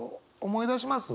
思い出します？